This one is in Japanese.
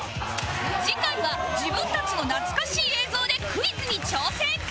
次回は自分たちの懐かしい映像でクイズに挑戦！